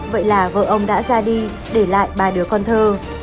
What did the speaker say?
vậy là vợ ông đã ra đi để lại ba đứa con thơ